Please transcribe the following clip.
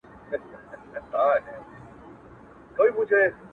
• د ميني شر نه دى چي څـوك يـې پــټ كړي ـ